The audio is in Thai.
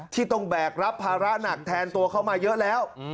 ที่ต้องแบกรับภาระหนักแทนตัวเขามาเยอะแล้ว